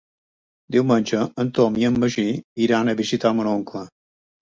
Diumenge en Tom i en Magí iran a visitar mon oncle.